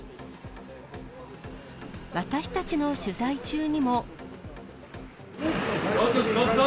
私たちの取材中にも。